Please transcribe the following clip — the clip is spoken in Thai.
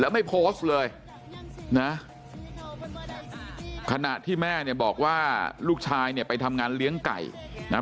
ไม่โพสต์เลยนะขณะที่แม่เนี่ยบอกว่าลูกชายเนี่ยไปทำงานเลี้ยงไก่นะ